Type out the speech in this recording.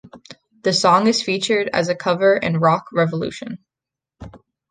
The song is featured as a cover in "Rock Revolution".